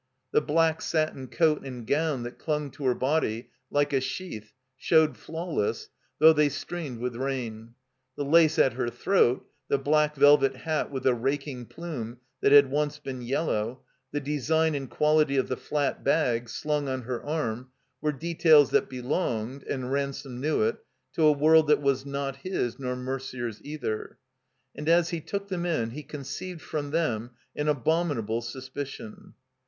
The black satin coat and gown that dung to her body like a sheath showed flawless, though they streamed with rain; the lace at her throat, the blad^ vdvet hat with the raking plume that had once been yellow, the de sign and quality of the flat bag sltmg on her arm were details that bdonged (and Ransome knew it) to a world that was not his nor Merder*s dther. And as he took them in he concdved from them an abominable suspidon.